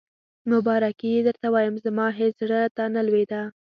مبارکي یې درته وایم، زما هېڅ زړه ته نه لوېده.